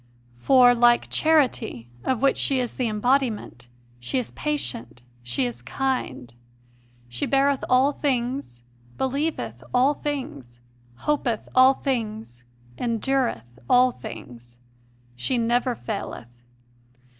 7 For, like Charity, of which she is the embodiment, she is patient, she is kind; ... she beareth all things, believe th all things, hopeth all things, endureth all things; she never faileth.